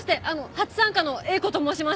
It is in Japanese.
初参加のＥＩＫＯと申します！